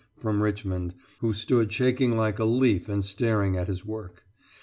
from Richmond, who stood shaking like a leaf and staring at his work.